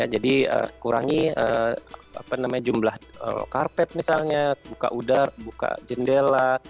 jadi kurangi jumlah karpet misalnya buka udara buka jendela